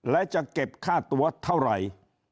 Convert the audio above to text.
และจะเก็บค่าตัวเท่าไหร่